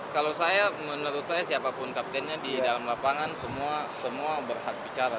kalau saya menurut saya siapapun kaptennya di dalam lapangan semua berhak bicara